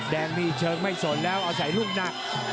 แดงมีเชิงไม่สนแล้วเอาใส่รุ่งหนัก